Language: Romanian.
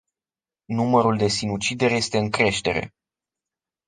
Numărul de sinucideri este în creștere.